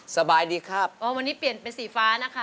สบายดีครับอ๋อวันนี้เปลี่ยนเป็นสีฟ้านะคะ